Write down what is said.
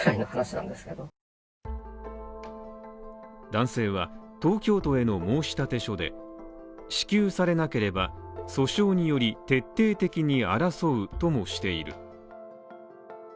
男性は東京都への申立書で支給されなければ訴訟により徹底的に争うともしている。